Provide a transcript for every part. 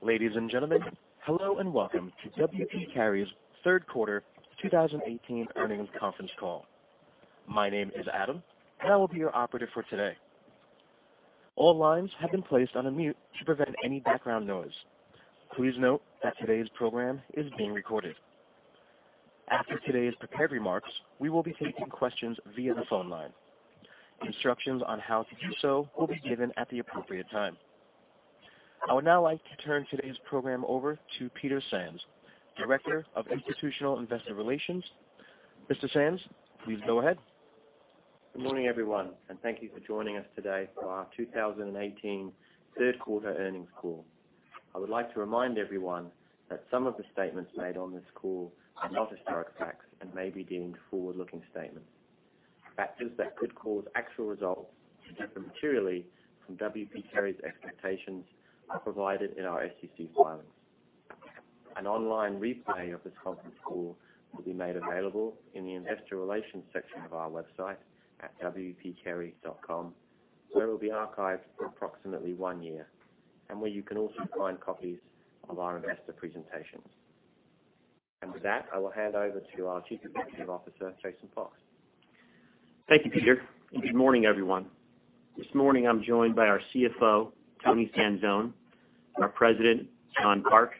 Ladies and gentlemen, hello and welcome to W. P. Carey's third quarter 2018 earnings conference call. My name is Adam, and I will be your operative for today. All lines have been placed on mute to prevent any background noise. Please note that today's program is being recorded. After today's prepared remarks, we will be taking questions via the phone line. Instructions on how to do so will be given at the appropriate time. I would now like to turn today's program over to Peter Sands, Director of Institutional Investor Relations. Mr. Sands, please go ahead. Good morning, everyone, and thank you for joining us today for our 2018 third quarter earnings call. I would like to remind everyone that some of the statements made on this call are not historic facts and may be deemed forward-looking statements. Factors that could cause actual results to differ materially from W. P. Carey's expectations are provided in our SEC filings. An online replay of this conference call will be made available in the investor relations section of our website at wpcarey.com, where it will be archived for approximately one year, and where you can also find copies of our investor presentations. With that, I will hand over to our Chief Executive Officer, Jason Fox. Thank you, Peter, and good morning, everyone. This morning, I'm joined by our CFO, Toni Sanzone, our President, John Park,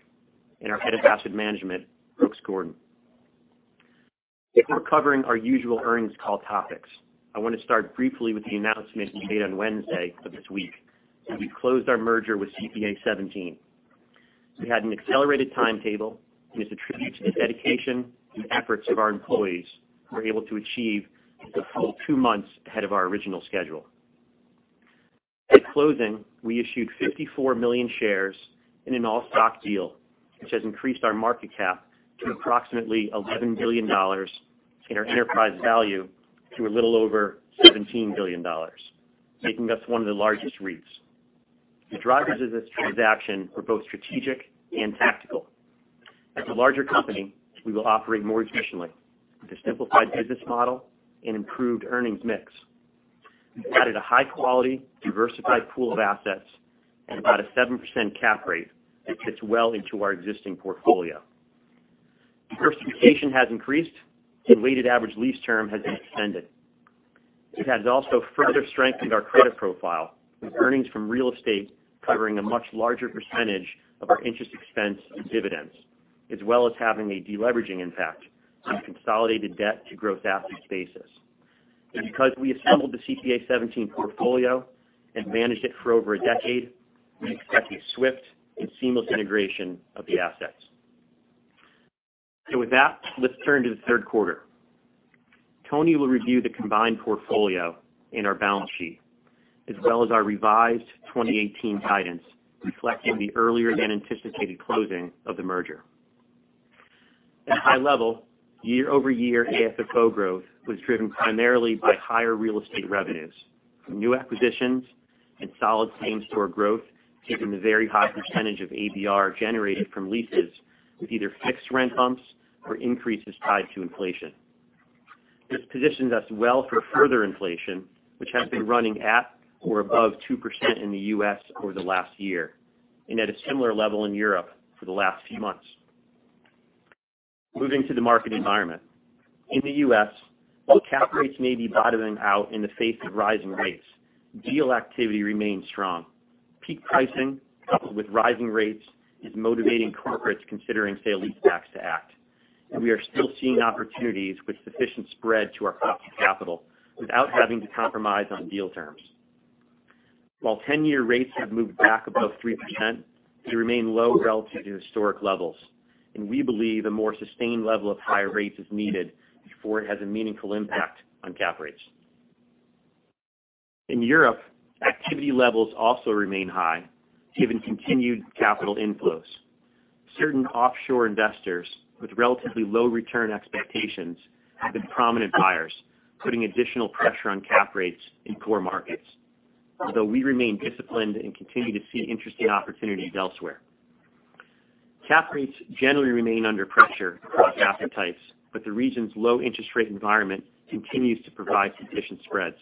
and our Head of Asset Management, Brooks Gordon. Before covering our usual earnings call topics, I want to start briefly with the announcement we made on Wednesday of this week that we closed our merger with CPA:17. We had an accelerated timetable, and it's a tribute to the dedication and efforts of our employees who were able to achieve a full two months ahead of our original schedule. At closing, we issued 54 million shares in an all-stock deal, which has increased our market cap to approximately $11 billion and our enterprise value to a little over $17 billion, making us one of the largest REITs. The drivers of this transaction were both strategic and tactical. As a larger company, we will operate more efficiently, with a simplified business model and improved earnings mix. We've added a high-quality, diversified pool of assets and about a 7% cap rate that fits well into our existing portfolio. Diversification has increased, and weighted average lease term has been extended. It has also further strengthened our credit profile, with earnings from real estate covering a much larger percentage of our interest expense and dividends, as well as having a de-leveraging impact on a consolidated debt to growth assets basis. Because we assembled the CPA:17 portfolio and managed it for over a decade, we expect a swift and seamless integration of the assets. With that, let's turn to the third quarter. Toni will review the combined portfolio and our balance sheet, as well as our revised 2018 guidance reflecting the earlier than anticipated closing of the merger. At high level, year-over-year AFFO growth was driven primarily by higher real estate revenues from new acquisitions and solid same store growth, given the very high percentage of ABR generated from leases with either fixed rent bumps or increases tied to inflation. This positions us well for further inflation, which has been running at or above 2% in the U.S. over the last year, and at a similar level in Europe for the last few months. Moving to the market environment. In the U.S., while cap rates may be bottoming out in the face of rising rates, deal activity remains strong. Peak pricing, coupled with rising rates, is motivating corporates considering sale-leasebacks to act. We are still seeing opportunities with sufficient spread to our cost of capital without having to compromise on deal terms. While 10-year rates have moved back above 3%, they remain low relative to historic levels, and we believe a more sustained level of higher rates is needed before it has a meaningful impact on cap rates. In Europe, activity levels also remain high given continued capital inflows. Certain offshore investors with relatively low return expectations have been prominent buyers, putting additional pressure on cap rates in core markets. Although we remain disciplined and continue to see interesting opportunities elsewhere. Cap rates generally remain under pressure across asset types, but the region's low interest rate environment continues to provide sufficient spreads.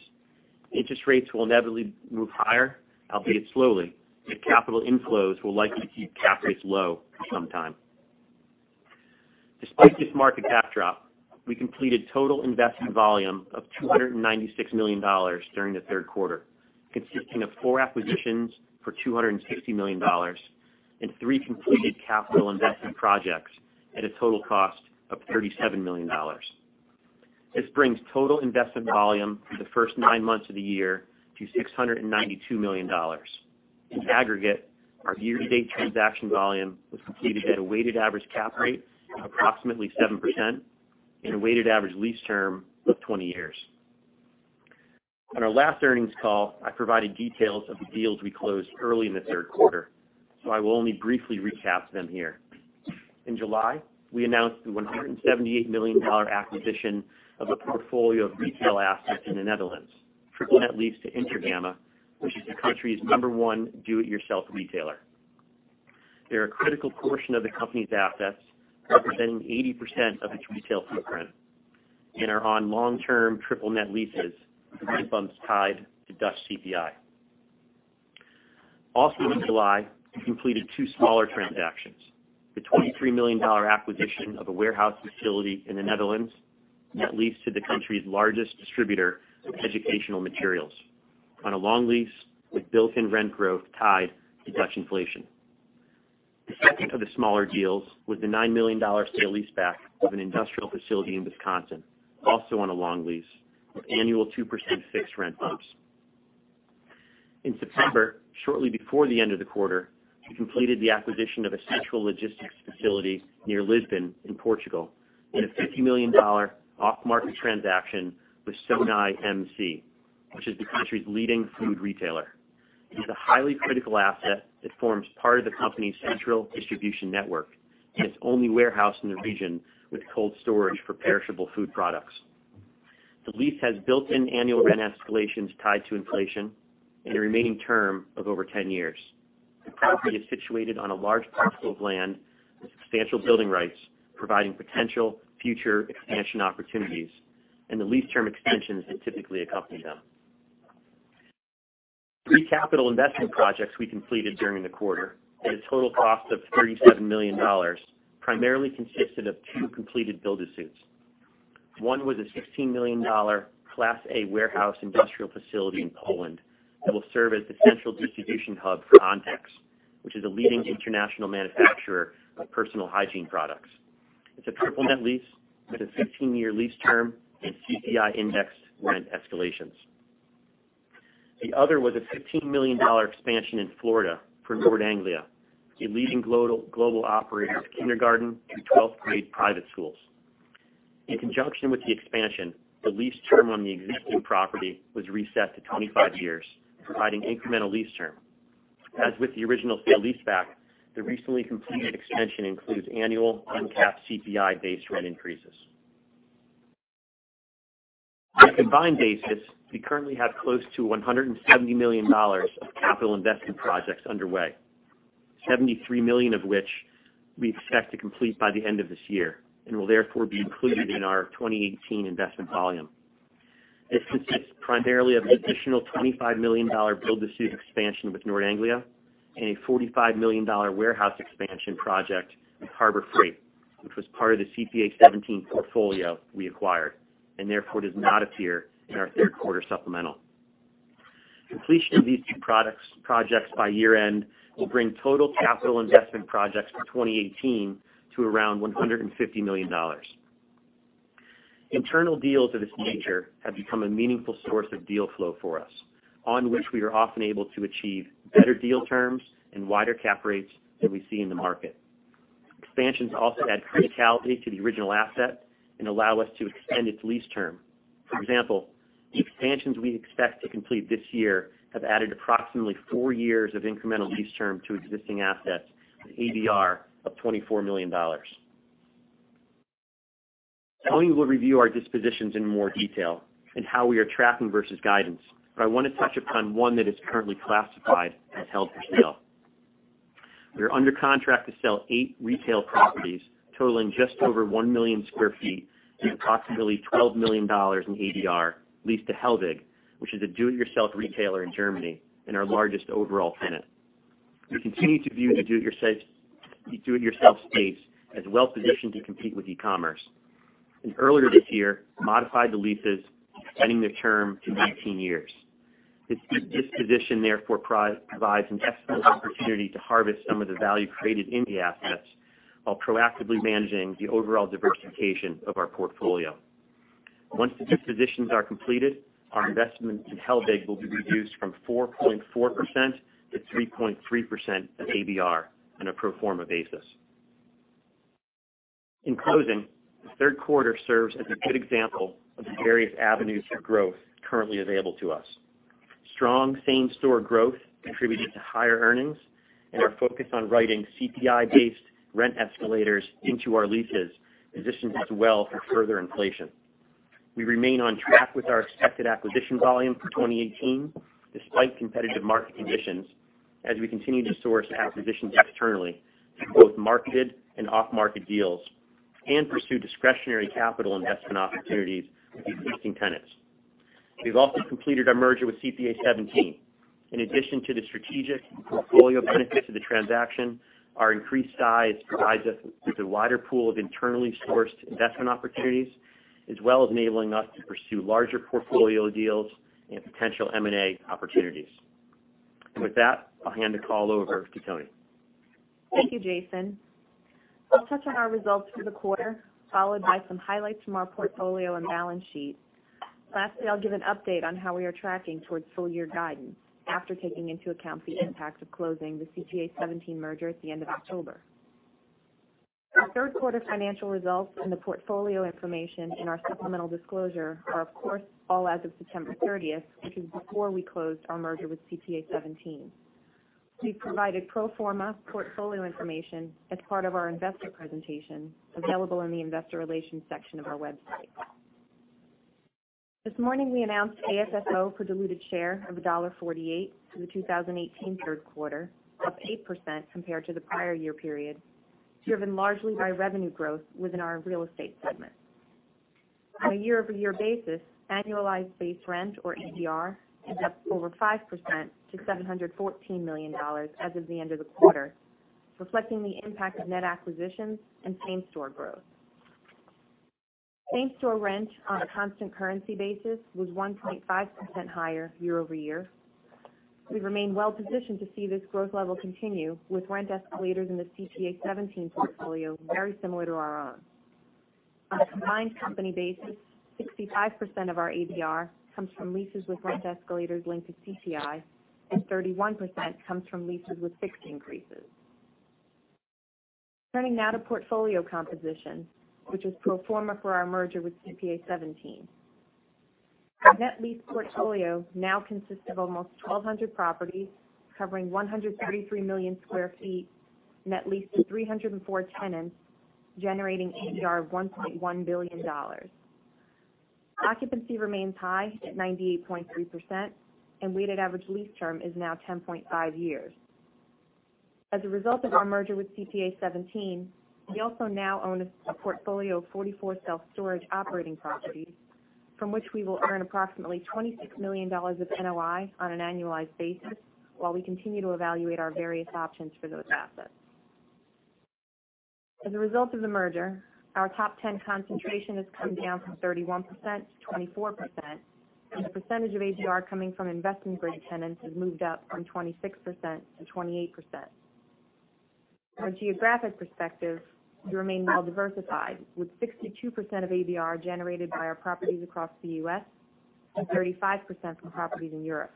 Interest rates will inevitably move higher, albeit slowly, yet capital inflows will likely keep cap rates low for some time. Despite this market cap drop, we completed total investment volume of $296 million during the third quarter, consisting of four acquisitions for $260 million and three completed capital investment projects at a total cost of $37 million. This brings total investment volume for the first nine months of the year to $692 million. In aggregate, our year-to-date transaction volume was completed at a weighted average cap rate of approximately 7% and a weighted average lease term of 20 years. On our last earnings call, I provided details of the deals we closed early in the third quarter, so I will only briefly recap them here. In July, we announced the $178 million acquisition of a portfolio of retail assets in the Netherlands, triple net lease to Intergamma, which is the country's number one do-it-yourself retailer. They're a critical portion of the company's assets, representing 80% of its retail footprint, and are on long-term triple net leases with rent bumps tied to Dutch CPI. Also in July, we completed two smaller transactions. The $23 million acquisition of a warehouse facility in the Netherlands that leads to the country's largest distributor of educational materials on a long lease with built-in rent growth tied to Dutch inflation. The second of the smaller deals was the $9 million sale-leaseback of an industrial facility in Wisconsin, also on a long lease with annual 2% fixed rent bumps. In September, shortly before the end of the quarter, we completed the acquisition of a central logistics facility near Lisbon in Portugal in a $50 million off-market transaction with Sonae MC, which is the country's leading food retailer. It is a highly critical asset that forms part of the company's central distribution network and its only warehouse in the region with cold storage for perishable food products. The lease has built-in annual rent escalations tied to inflation and a remaining term of over 10 years. The property is situated on a large parcel of land with substantial building rights, providing potential future expansion opportunities and the lease term extensions that typically accompany them. 3 capital investment projects we completed during the quarter, at a total cost of $37 million, primarily consisted of 2 completed build-to-suits. 1 was a $16 million Class A warehouse industrial facility in Poland that will serve as the central distribution hub for Ontex, which is a leading international manufacturer of personal hygiene products. It's a triple net lease with a 15-year lease term and CPI indexed rent escalations. The other was a $15 million expansion in Florida for Nord Anglia, a leading global operator of kindergarten through 12th-grade private schools. In conjunction with the expansion, the lease term on the existing property was reset to 25 years, providing incremental lease term. As with the original sale-leaseback, the recently completed extension includes annual uncapped CPI-based rent increases. On a combined basis, we currently have close to $170 million of capital investment projects underway, $73 million of which we expect to complete by the end of this year, will therefore be included in our 2018 investment volume. This consists primarily of an additional $25 million build-to-suit expansion with Nord Anglia and a $45 million warehouse expansion project with Harbor Freight, which was part of the CPA:17 portfolio we acquired, and therefore does not appear in our third quarter supplemental. Completion of these 2 projects by year-end will bring total capital investment projects for 2018 to around $150 million. Internal deals of this nature have become a meaningful source of deal flow for us, on which we are often able to achieve better deal terms and wider cap rates than we see in the market. Expansions also add criticality to the original asset and allow us to extend its lease term. For example, the expansions we expect to complete this year have added approximately 4 years of incremental lease term to existing assets with ABR of $24 million. Toni will review our dispositions in more detail and how we are tracking versus guidance, but I want to touch upon one that is currently classified as held for sale. We are under contract to sell 8 retail properties totaling just over 1 million square feet with approximately $12 million in ABR leased to Hellweg, which is a do-it-yourself retailer in Germany and our largest overall tenant. We continue to view the do-it-yourself space as well-positioned to compete with e-commerce, and earlier this year modified the leases, extending their term to 19 years. This disposition therefore provides an excellent opportunity to harvest some of the value created in the assets while proactively managing the overall diversification of our portfolio. Once the dispositions are completed, our investment in Hellweg will be reduced from 4.4% to 3.3% of ABR on a pro forma basis. In closing, the third quarter serves as a good example of the various avenues for growth currently available to us. Strong same-store growth contributed to higher earnings, our focus on writing CPI-based rent escalators into our leases positions us well for further inflation. We remain on track with our expected acquisition volume for 2018 despite competitive market conditions, as we continue to source acquisitions externally through both marketed and off-market deals and pursue discretionary capital investment opportunities with existing tenants. We've also completed our merger with CPA:17. In addition to the strategic and portfolio benefits of the transaction, our increased size provides us with a wider pool of internally sourced investment opportunities, as well as enabling us to pursue larger portfolio deals and potential M&A opportunities. With that, I'll hand the call over to Toni. Thank you, Jason. I'll touch on our results for the quarter, followed by some highlights from our portfolio and balance sheet. Lastly, I'll give an update on how we are tracking towards full-year guidance after taking into account the impact of closing the CPA:17 merger at the end of October. Our third quarter financial results and the portfolio information in our supplemental disclosure are of course all as of September 30th, which is before we closed our merger with CPA:17. We've provided pro forma portfolio information as part of our investor presentation available in the investor relations section of our website. This morning, we announced AFFO per diluted share of $1.48 for the 2018 third quarter, up 8% compared to the prior year period, driven largely by revenue growth within our real estate segment. On a year-over-year basis, annualized base rent or ABR is up over 5% to $714 million as of the end of the quarter, reflecting the impact of net acquisitions and same-store growth. Same-store rent on a constant currency basis was 1.5% higher year-over-year. We remain well positioned to see this growth level continue, with rent escalators in the CPA:17 portfolio very similar to our own. On a combined company basis, 65% of our ABR comes from leases with rent escalators linked to CPI, 31% comes from leases with fixed increases. Turning now to portfolio composition, which is pro forma for our merger with CPA:17. Our net lease portfolio now consists of almost 1,200 properties covering 133 million sq ft, net leased to 304 tenants, generating ABR of $1.1 billion. Occupancy remains high at 98.3%, and weighted average lease term is now 10.5 years. As a result of our merger with CPA:17, we also now own a portfolio of 44 self-storage operating properties, from which we will earn approximately $26 million of NOI on an annualized basis while we continue to evaluate our various options for those assets. As a result of the merger, our top 10 concentration has come down from 31% to 24%, and the percentage of ABR coming from investment-grade tenants has moved up from 26% to 28%. From a geographic perspective, we remain well diversified, with 62% of ABR generated by our properties across the U.S. and 35% from properties in Europe.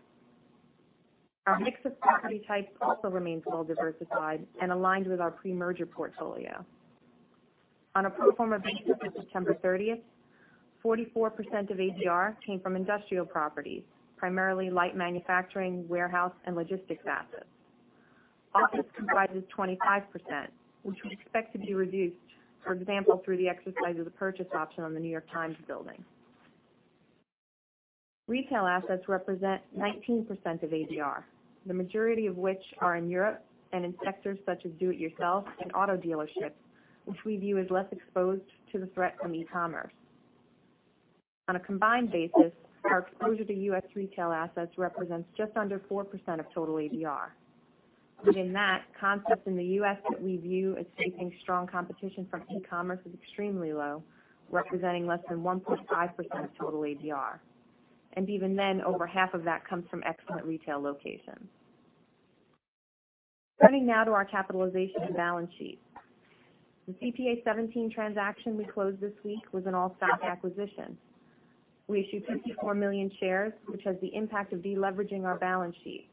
Our mix of property types also remains well diversified and aligned with our pre-merger portfolio. On a pro forma basis of September 30th, 44% of ABR came from industrial properties, primarily light manufacturing, warehouse, and logistics assets. Office comprises 25%, which we expect to be reduced, for example, through the exercise of the purchase option on The New York Times building. Retail assets represent 19% of ABR, the majority of which are in Europe and in sectors such as do-it-yourself and auto dealerships, which we view as less exposed to the threat from e-commerce. On a combined basis, our exposure to U.S. retail assets represents just under 4% of total ABR. Within that, concepts in the U.S. that we view as facing strong competition from e-commerce is extremely low, representing less than 1.5% of total ABR. Even then, over half of that comes from excellent retail locations. Turning now to our capitalization and balance sheet. The CPA:17 transaction we closed this week was an all-stock acquisition. We issued 54 million shares, which has the impact of de-leveraging our balance sheet.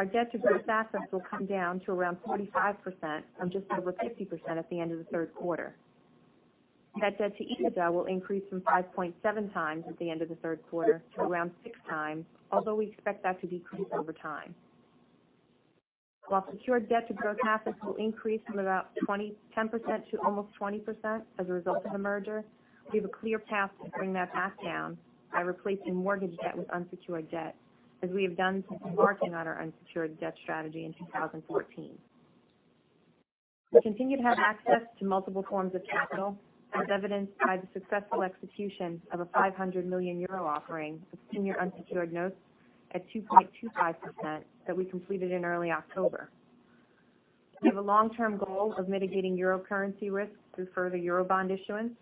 Our debt to gross assets will come down to around 45% from just over 50% at the end of the third quarter. Net debt to EBITDA will increase from 5.7 times at the end of the third quarter to around 6 times, although we expect that to decrease over time. While secured debt to gross assets will increase from about 10% to almost 20% as a result of the merger, we have a clear path to bring that back down by replacing mortgage debt with unsecured debt, as we have done since embarking on our unsecured debt strategy in 2014. We continue to have access to multiple forms of capital, as evidenced by the successful execution of a €500 million offering of senior unsecured notes at 2.25% that we completed in early October. We have a long-term goal of mitigating Euro currency risk through further Eurobond issuance.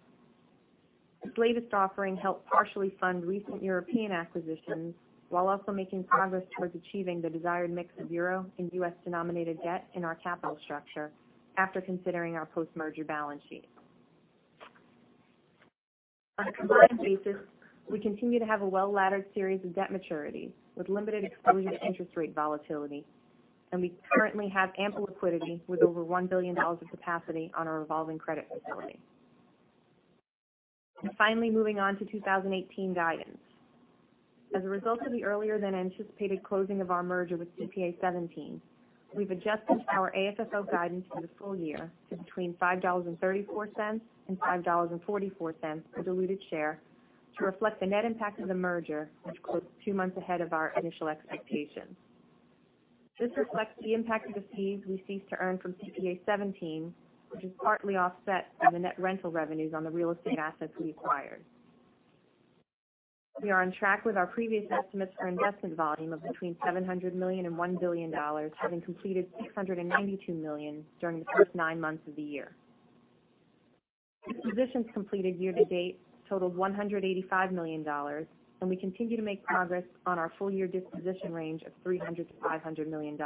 This latest offering helped partially fund recent European acquisitions while also making progress towards achieving the desired mix of Euro and U.S.-denominated debt in our capital structure after considering our post-merger balance sheet. On a combined basis, we continue to have a well-laddered series of debt maturities with limited exposure to interest rate volatility, we currently have ample liquidity with over $1 billion of capacity on our revolving credit facility. Finally, moving on to 2018 guidance. As a result of the earlier-than-anticipated closing of our merger with CPA:17, we've adjusted our AFFO guidance for the full year to between $5.34 and $5.44 per diluted share to reflect the net impact of the merger, which closed two months ahead of our initial expectations. This reflects the impact of the fees we ceased to earn from CPA:17, which is partly offset by the net rental revenues on the real estate assets we acquired. We are on track with our previous estimates for investment volume of between $700 million and $1 billion, having completed $692 million during the first nine months of the year. Dispositions completed year to date totaled $185 million, and we continue to make progress on our full-year disposition range of $300 million-$500 million.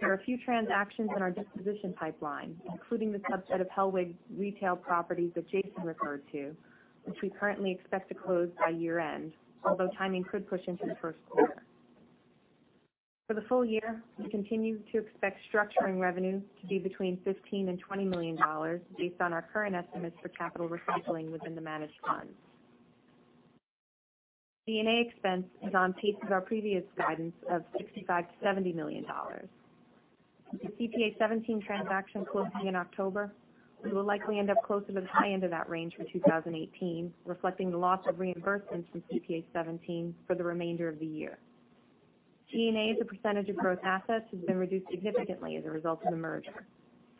There are a few transactions in our disposition pipeline, including the subset of Hellweg retail properties that Jason referred to, which we currently expect to close by year-end, although timing could push into the first quarter. For the full year, we continue to expect structuring revenue to be between $15 million and $20 million based on our current estimates for capital recycling within the managed funds. G&A expense is on pace with our previous guidance of $65 million to $70 million. With the CPA:17 transaction closing in October, we will likely end up closer to the high end of that range for 2018, reflecting the loss of reimbursements from CPA:17 for the remainder of the year. G&A as a percentage of gross assets has been reduced significantly as a result of the merger,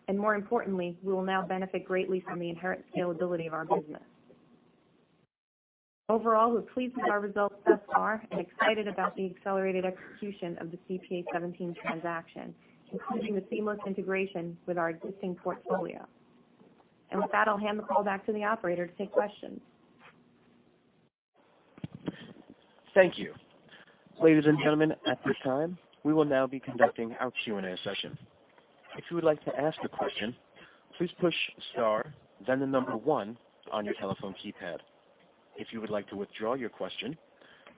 and more importantly, we will now benefit greatly from the inherent scalability of our business. Overall, we are pleased with our results thus far and excited about the accelerated execution of the CPA:17 transaction, including the seamless integration with our existing portfolio. With that, I'll hand the call back to the operator to take questions. Thank you. Ladies and gentlemen, at this time, we will now be conducting our Q&A session. If you would like to ask a question, please push star 1 on your telephone keypad. If you would like to withdraw your question,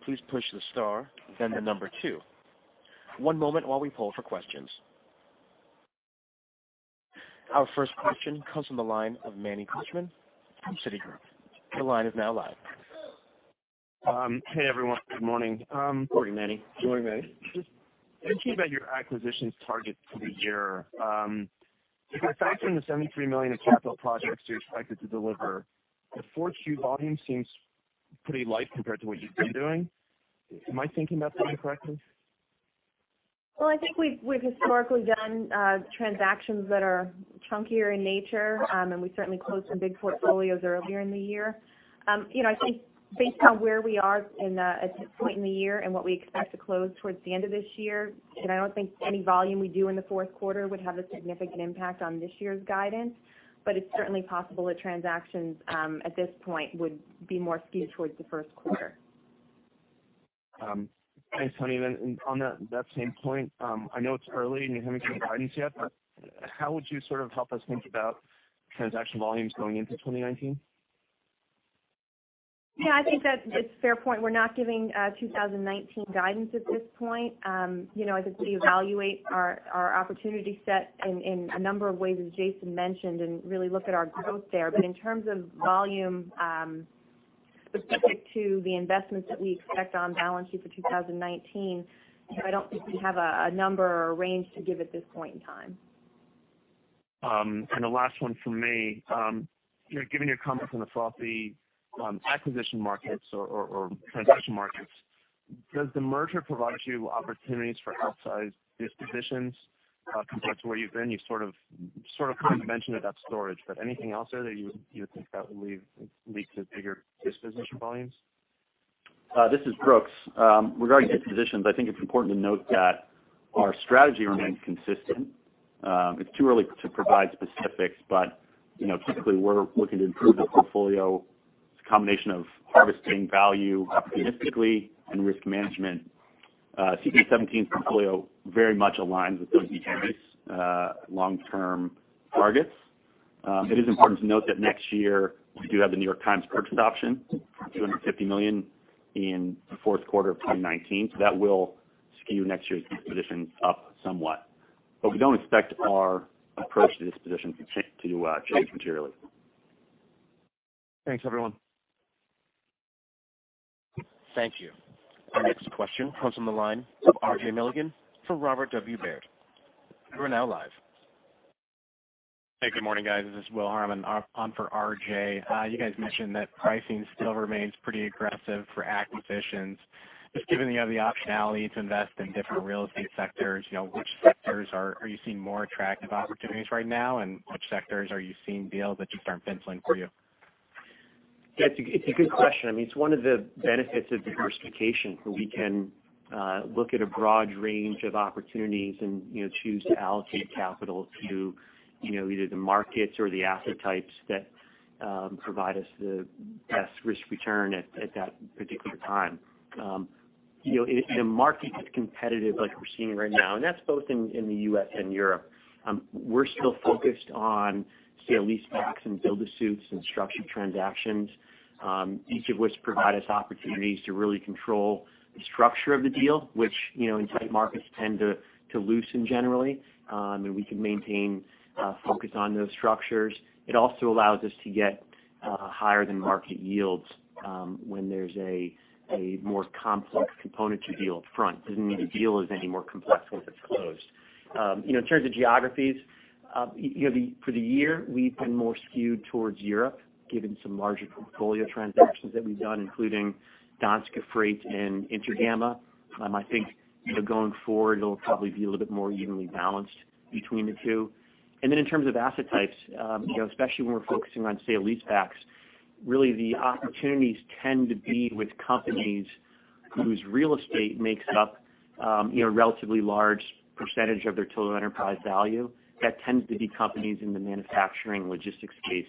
please push the star 2. One moment while we poll for questions. Our first question comes from the line of Manny Korchman from Citigroup. Your line is now live. Hey, everyone. Good morning. Morning, Manny. Good morning, Manny. Just thinking about your acquisitions target for the year. If I factor in the $73 million in capital projects you're expected to deliver, the fourth Q volume seems pretty light compared to what you've been doing. Am I thinking about that correctly? Well, I think we've historically done transactions that are chunkier in nature. We certainly closed some big portfolios earlier in the year. I think based on where we are at this point in the year and what we expect to close towards the end of this year, I don't think any volume we do in the fourth quarter would have a significant impact on this year's guidance. It's certainly possible that transactions at this point would be more skewed towards the first quarter. Thanks, Toni. On that same point, I know it's early and you haven't given guidance yet, but how would you sort of help us think about transaction volumes going into 2019? Yeah, I think that it's a fair point. We're not giving 2019 guidance at this point. I think we evaluate our opportunity set in a number of ways, as Jason mentioned, and really look at our growth there. In terms of volume, specific to the investments that we expect on balance sheet for 2019, I don't think we have a number or a range to give at this point in time. The last one from me. Given your comments on the sloppy acquisition markets or transaction markets, does the merger provide you opportunities for outsized dispositions compared to where you've been? You sort of mentioned it at storage, but anything else there that you would think that would lead to bigger disposition volumes? This is Brooks. Regarding dispositions, I think it's important to note that our strategy remains consistent. It's too early to provide specifics, but typically, we're looking to improve the portfolio. It's a combination of harvesting value opportunistically and risk management. CPA:17's portfolio very much aligns with [inaudible] long-term targets. It is important to note that next year we do have The New York Times purchase option, $250 million in the fourth quarter of 2019. That will skew next year's disposition up somewhat. We don't expect our approach to disposition to change materially. Thanks, everyone. Thank you. Our next question comes from the line of RJ Milligan for Robert W. Baird. You are now live. Hey, good morning, guys. This is William Harmon on for RJ. You guys mentioned that pricing still remains pretty aggressive for acquisitions. Just given that you have the optionality to invest in different real estate sectors, which sectors are you seeing more attractive opportunities right now and which sectors are you seeing deals that just aren't penciling for you? It's a good question. I mean, it's one of the benefits of diversification. We can look at a broad range of opportunities and choose to allocate capital to either the markets or the asset types that provide us the best risk return at that particular time. In a market that's competitive like we're seeing right now, and that's both in the U.S. and Europe, we're still focused on sale-leasebacks and build-to-suits and structured transactions, each of which provide us opportunities to really control the structure of the deal, which in tight markets tend to loosen generally. I mean, we can maintain a focus on those structures. It also allows us to get higher than market yields when there's a more complex component to deal up front. Doesn't mean the deal is any more complex once it's closed. In terms of geographies, for the year, we've been more skewed towards Europe, given some larger portfolio transactions that we've done, including Danske Fragtmænd and Intergamma. I think going forward, it'll probably be a little bit more evenly balanced between the two. In terms of asset types, especially when we're focusing on sale-leasebacks, really the opportunities tend to be with companies whose real estate makes up a relatively large percentage of their total enterprise value. That tends to be companies in the manufacturing logistics space.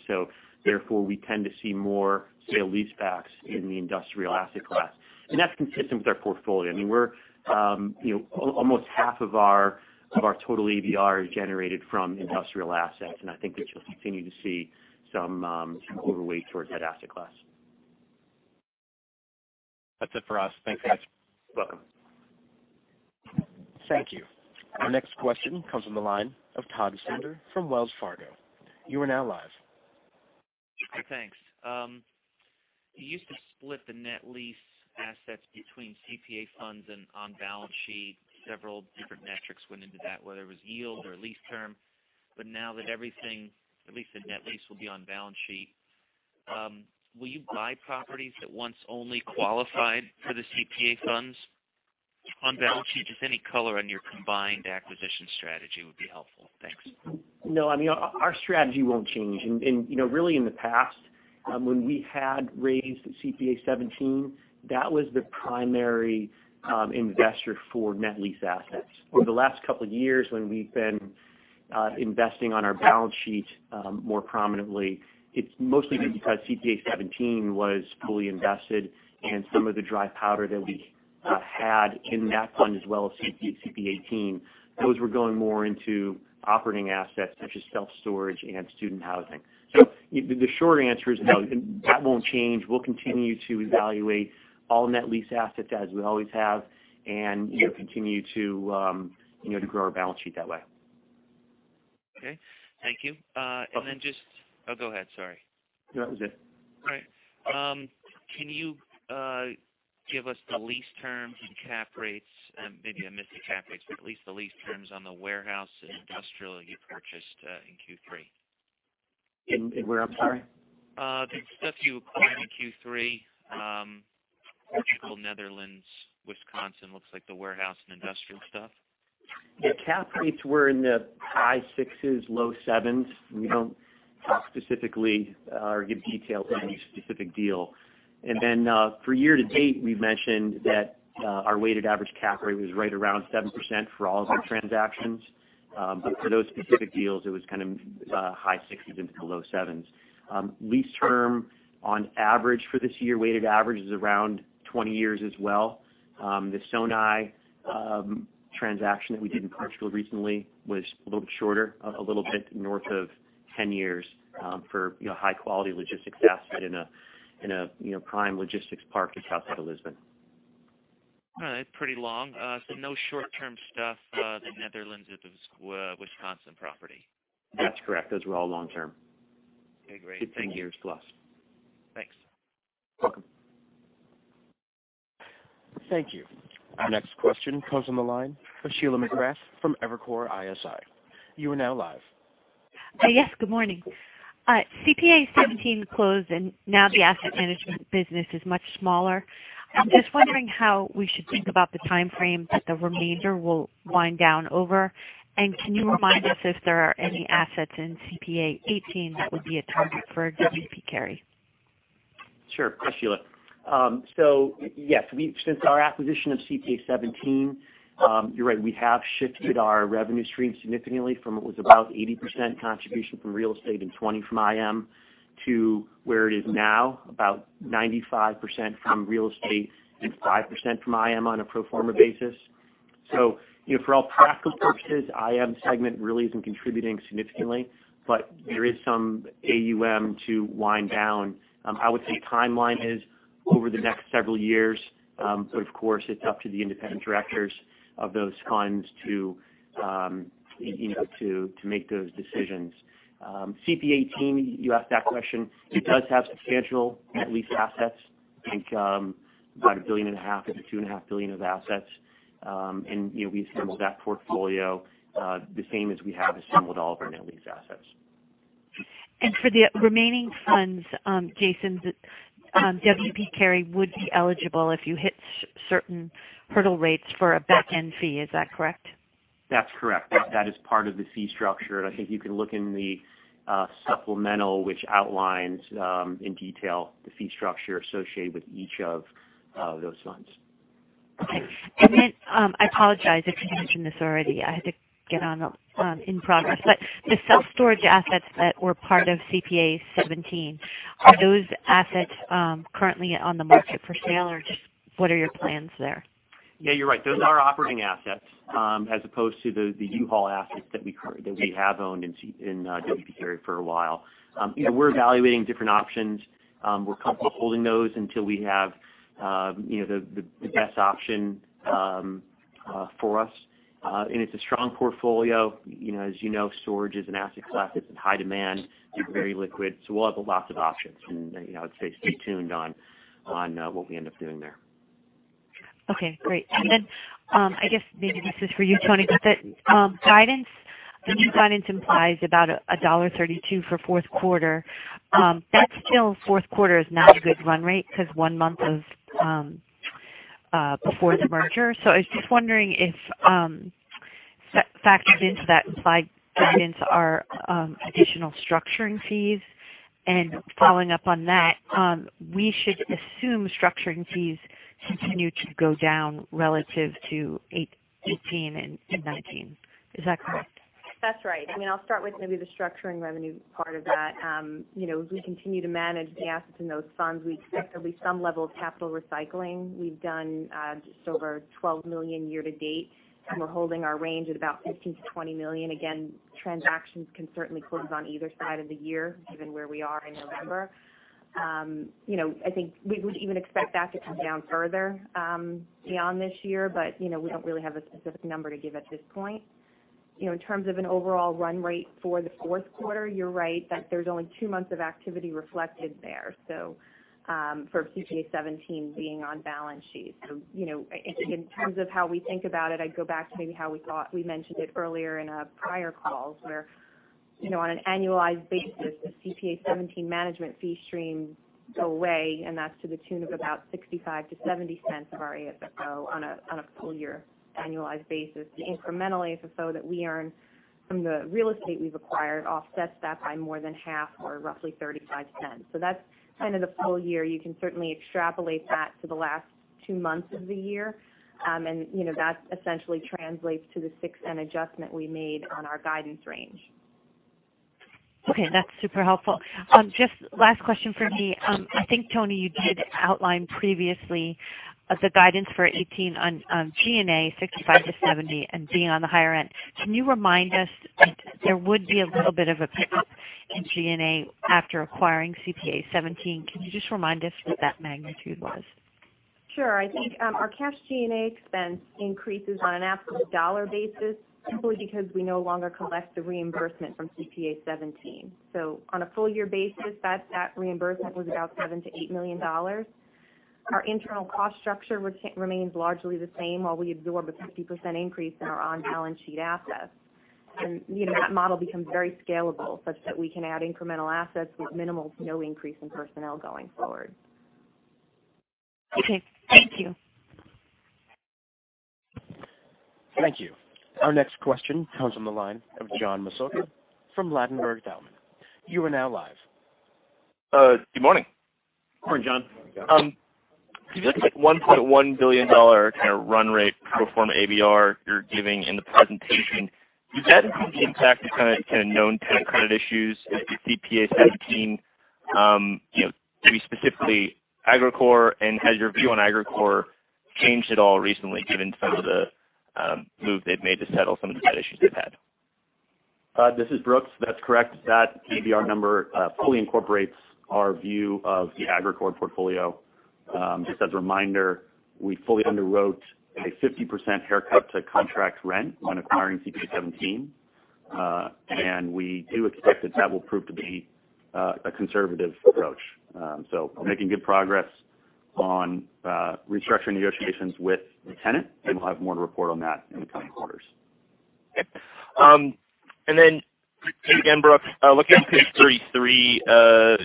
Therefore, we tend to see more sale-leasebacks in the industrial asset class. That's consistent with our portfolio. I mean, almost half of our total ABR is generated from industrial assets, and I think that you'll continue to see some overweight towards that asset class. That's it for us. Thanks, guys. Welcome. Thank you. Our next question comes from the line of Todd Sander from Wells Fargo. You are now live. Thanks. You used to split the net lease assets between CPA funds and on-balance sheet. Several different metrics went into that, whether it was yield or lease term. Now that everything, at least the net lease, will be on balance sheet, will you buy properties that once only qualified for the CPA funds on balance sheet? Just any color on your combined acquisition strategy would be helpful. Thanks. No, our strategy won't change. Really in the past, when we had raised CPA:17, that was the primary investor for net lease assets. Over the last couple of years, when we've been investing on our balance sheet more prominently, it's mostly been because CPA:17 was fully invested and some of the dry powder that we had in that fund, as well as CPA:18, those were going more into operating assets such as self-storage and student housing. The short answer is no, that won't change. We'll continue to evaluate all net lease assets as we always have, and continue to grow our balance sheet that way. Okay. Thank you. Then just Oh, go ahead. Sorry. No, that was it. All right. Can you give us the lease terms and cap rates, maybe I missed the cap rates, but at least the lease terms on the warehouse and industrial you purchased in Q3? In where, I'm sorry? The stuff you acquired in Q3. Portugal, Netherlands, Wisconsin. Looks like the warehouse and industrial stuff. The cap rates were in the high sixes, low sevens. We don't talk specifically or give details on any specific deal. For year to date, we've mentioned that our weighted average cap rate was right around 7% for all of our transactions. For those specific deals, it was kind of high sixes into low sevens. Lease term, on average for this year, weighted average is around 20 years as well. The Sonae transaction that we did in Portugal recently was a little bit shorter, a little bit north of 10 years for high-quality logistics asset in a prime logistics park just outside of Lisbon. All right. Pretty long. No short-term stuff, the Netherlands, Wisconsin property? That's correct. Those were all long-term. Okay, great. 15 years plus. Thanks. Welcome. Thank you. Our next question comes on the line of Sheila McGrath from Evercore ISI. You are now live. Yes, good morning. CPA:17 closed. Now the asset management business is much smaller. I'm just wondering how we should think about the timeframe that the remainder will wind down over. Can you remind us if there are any assets in CPA:18 that would be a target for W. P. Carey? Sure. Hi, Sheila. Yes, since our acquisition of CPA:17, you're right, we have shifted our revenue stream significantly from what was about 80% contribution from real estate and 20% from IM, to where it is now, about 95% from real estate and 5% from IM on a pro forma basis. For all practical purposes, IM segment really isn't contributing significantly, but there is some AUM to wind down. I would say timeline is over the next several years, but of course, it's up to the independent directors of those funds to make those decisions. CPA:18, you asked that question. It does have substantial net lease assets. I think about a billion and a half to two and a half billion of assets. We assembled that portfolio the same as we have assembled all of our net lease assets. For the remaining funds, Jason, W. P. Carey would be eligible if you hit certain hurdle rates for a back-end fee, is that correct? That's correct. That is part of the fee structure. I think you can look in the supplemental which outlines in detail the fee structure associated with each of those funds. Okay. I apologize if you mentioned this already. I had to get on in progress. The self-storage assets that were part of CPA:17, are those assets currently on the market for sale or just what are your plans there? Yeah, you're right. Those are operating assets as opposed to the U-Haul assets that we have owned in W. P. Carey for a while. We're evaluating different options. We're comfortable holding those until we have the best option for us. It's a strong portfolio. As you know, storage is an asset class that's in high demand. They're very liquid, so we'll have lots of options. I would say stay tuned on what we end up doing there. Okay, great. I guess maybe this is for you, Toni, the new guidance implies about $1.32 for fourth quarter. That still fourth quarter is not a good run rate because one month is before the merger. I was just wondering if factored into that implied guidance are additional structuring fees. Following up on that, we should assume structuring fees continue to go down relative to 2018 and 2019. Is that correct? That's right. I mean, I'll start with maybe the structuring revenue part of that. As we continue to manage the assets in those funds, we expect there'll be some level of capital recycling. We've done just over $12 million year to date, we're holding our range at about $15 million-$20 million. Again, transactions can certainly close on either side of the year given where we are in November. I think we would even expect that to come down further beyond this year, we don't really have a specific number to give at this point. In terms of an overall run rate for the fourth quarter, you're right that there's only two months of activity reflected there. For CPA:17 being on balance sheet. In terms of how we think about it, I'd go back to maybe how we mentioned it earlier in our prior calls, where on an annualized basis, the CPA:17 management fee streams go away, and that's to the tune of about $0.65-$0.70 of our AFFO on a full year annualized basis. The incremental AFFO that we earn from the real estate we've acquired offsets that by more than half, or roughly $0.35. That's kind of the full year. You can certainly extrapolate that to the last two months of the year. That essentially translates to the 6M adjustment we made on our guidance range. Okay, that's super helpful. Just last question from me. I think, Toni, you did outline previously the guidance for 2018 on G&A, $65 million-$70 million and being on the higher end. Can you remind us there would be a little bit of a pickup in G&A after acquiring CPA:17? Can you just remind us what that magnitude was? Sure. I think our cash G&A expense increases on an absolute dollar basis simply because we no longer collect the reimbursement from CPA:17. On a full year basis, that reimbursement was about $7 million-$8 million. Our internal cost structure remains largely the same while we absorb a 50% increase in our on-balance sheet assets. That model becomes very scalable, such that we can add incremental assets with minimal to no increase in personnel going forward. Okay. Thank you. Thank you. Our next question comes from the line of John Massocca from Ladenburg Thalmann. You are now live. Good morning. Good morning, John. You guys get $1.1 billion kind of run rate pro forma ABR you're giving in the presentation. Is that impacted kind of known tenant credit issues with the CPA:17 maybe specifically Agrokor, and has your view on Agrokor changed at all recently given some of the moves they've made to settle some of the debt issues they've had? This is Brooks. That is correct. That ABR number fully incorporates our view of the Agrokor portfolio. Just as a reminder, we fully underwrote a 50% haircut to contract rent when acquiring CPA:17. We do expect that that will prove to be a conservative approach. We are making good progress on restructuring negotiations with the tenant, and we will have more to report on that in the coming quarters. Okay. Again, Brooks, looking at page 33. There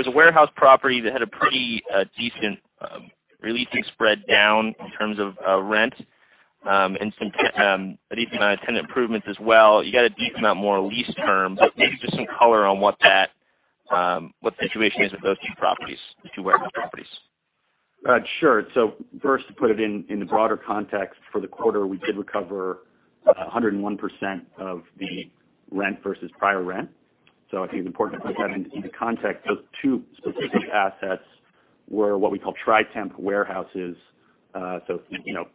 is a warehouse property that had a pretty decent releasing spread down in terms of rent and some decent tenant improvements as well. You got a decent amount more lease terms, maybe just some color on what the situation is with those two properties, the two warehouse properties. Sure. First, to put it in the broader context for the quarter, we did recover 101% of the rent versus prior rent. I think it is important to put that into context. Those two specific assets were what we call tri-temp warehouses.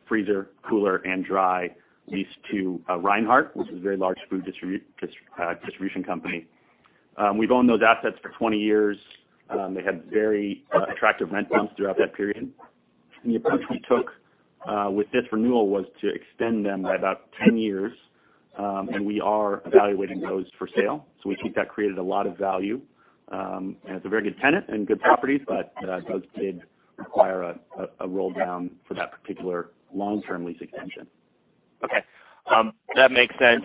Freezer, cooler, and dry leased to Reinhart, which is a very large food distribution company. We have owned those assets for 20 years. They had very attractive rent bumps throughout that period. The approach we took with this renewal was to extend them by about 10 years, and we are evaluating those for sale. We think that created a lot of value. It is a very good tenant and good properties, but those did require a roll down for that particular long-term lease extension. Okay. That makes sense.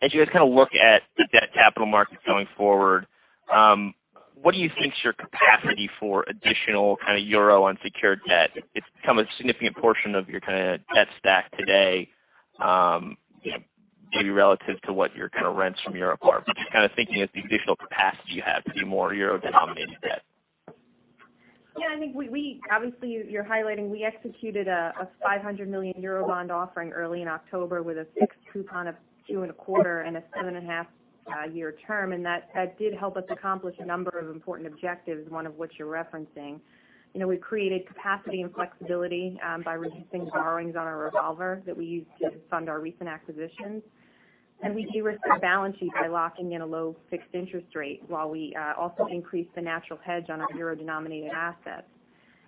As you guys kind of look at the debt capital markets going forward, what do you think is your capacity for additional kind of EUR unsecured debt? It has become a significant portion of your kind of debt stack today maybe relative to what your kind of rents from Europe are. Just kind of thinking of the additional capacity you have to do more EUR-denominated debt. Yeah, I think obviously you're highlighting we executed a 500 million euro bond offering early in October with a fixed coupon of 2.25% and a 7.5-year term. That did help us accomplish a number of important objectives, one of which you're referencing. We've created capacity and flexibility by reducing borrowings on our revolver that we used to fund our recent acquisitions. We de-risked the balance sheet by locking in a low fixed interest rate while we also increased the natural hedge on our euro-denominated assets.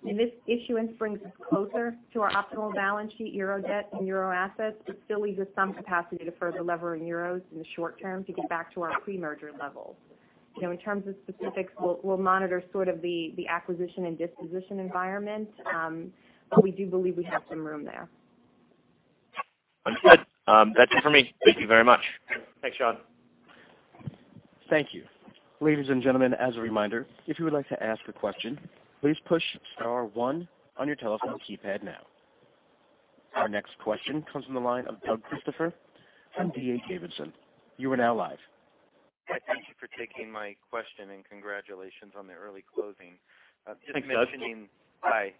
This issuance brings us closer to our optimal balance sheet euro debt and euro assets. It still leaves us some capacity to further lever in euros in the short term to get back to our pre-merger levels. In terms of specifics, we'll monitor sort of the acquisition and disposition environment, but we do believe we have some room there. Understood. That's it for me. Thank you very much. Thanks, John. Thank you. Ladies and gentlemen, as a reminder, if you would like to ask a question, please push star one on your telephone keypad now. Our next question comes from the line of Doug Christopher from D.A. Davidson. You are now live. Thank you for taking my question, and congratulations on the early closing. Thanks, Doug. Hi.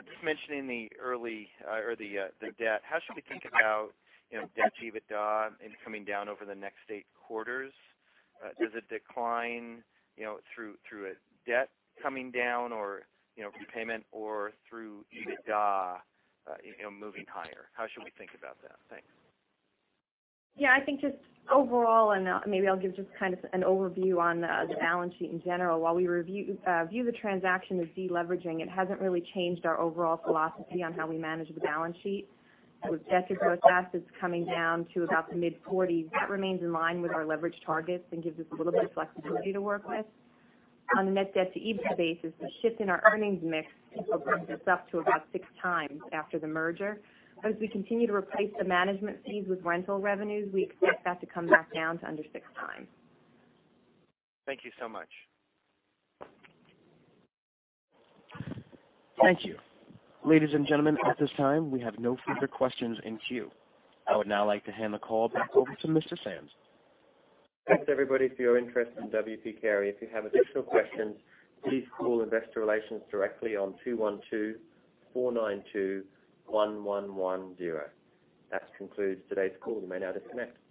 Just mentioning the early or the debt. How should we think about debt EBITDA and coming down over the next 8 quarters? Does it decline through a debt coming down or prepayment or through EBITDA moving higher? How should we think about that? Thanks. Yeah, I think just overall, maybe I'll give just kind of an overview on the balance sheet in general. While we view the transaction as de-leveraging, it hasn't really changed our overall philosophy on how we manage the balance sheet. With debt to gross assets coming down to about the mid-40s, that remains in line with our leverage targets and gives us a little bit of flexibility to work with. On a net debt to EBITDA basis, the shift in our earnings mix brings us up to about six times after the merger. As we continue to replace the management fees with rental revenues, we expect that to come back down to under six times. Thank you so much. Thank you. Ladies and gentlemen, at this time, we have no further questions in queue. I would now like to hand the call back over to Mr. Sands. Thanks, everybody, for your interest in W. P. Carey. If you have additional questions, please call investor relations directly on 212-492-1110. That concludes today's call. You may now disconnect.